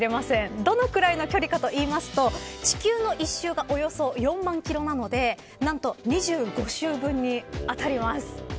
どのくらいの距離かといいますと地球の一周がおよそ４万キロなので何と、２５周分にあたります。